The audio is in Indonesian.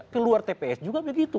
keluar tps juga begitu